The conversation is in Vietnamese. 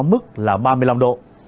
mức là ba mươi năm độ